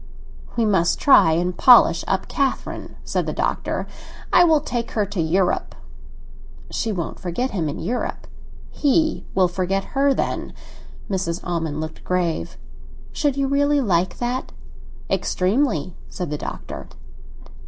"We must try and polish up Catherine," said the Doctor. "I will take her to Europe." "She won't forget him in Europe." "He will forget her, then." Mrs. Almond looked grave. "Should you really like that?" "Extremely!" said the Doctor.